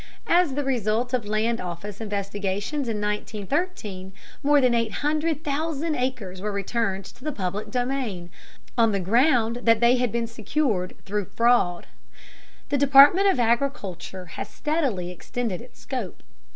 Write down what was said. As the result of Land Office investigations in 1913, more than 800,000 acres were returned to the public domain, on the ground that they had been secured through fraud. The Department of Agriculture has steadily extended its scope.